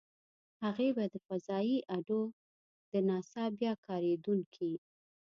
هغې به د فضايي اډو - د ناسا بیا کارېدونکې.